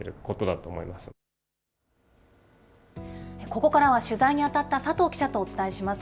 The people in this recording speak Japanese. ここからは取材に当たった佐藤記者とお伝えします。